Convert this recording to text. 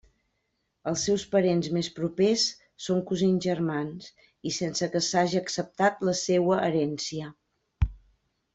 Els seus parents més propers són cosins germans, i sense que s'haja acceptat la seua herència.